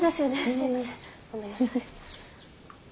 すいませんごめんなさい。